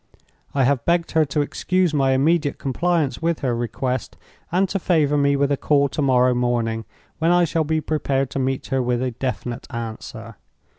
I have begged her to excuse my immediate compliance with her request, and to favor me with a call to morrow morning, when I shall be prepared to meet her with a definite answer.